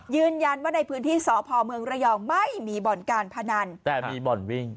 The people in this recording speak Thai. ยืนยันว่าในพื้นที่สพเมืองระยองไม่มีบ่อนการพนันแต่มีบ่อนวิ่ง